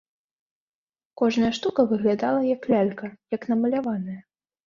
Кожная штука выглядала, як лялька, як намаляваная.